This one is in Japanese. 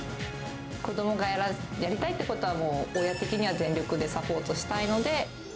子どもがやりたいってことはもう、親的には全力でサポートしたいので。